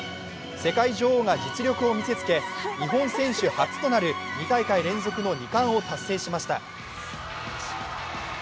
世界女王が実力を見せつけ、日本選手初となる２大会連続の２冠を達成しました。